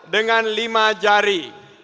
dengan lima jari